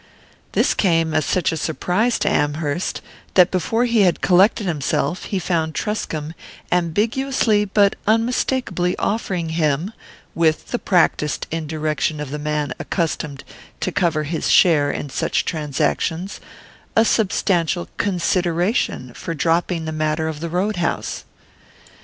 This came as such a surprise to Amherst that before he had collected himself he found Truscomb ambiguously but unmistakably offering him with the practised indirection of the man accustomed to cover his share in such transactions a substantial "consideration" for dropping the matter of the road house.